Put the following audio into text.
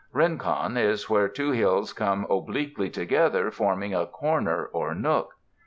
Rincon is where two hills come obliquely together forming a corner or nook.